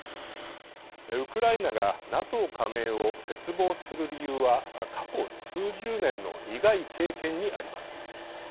ウクライナがＮＡＴＯ加盟を切望する理由は過去数十年の苦い経験にあります。